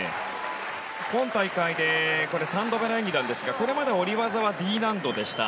今大会で３度目の演技ですがこれまで下り技はＤ難度でした。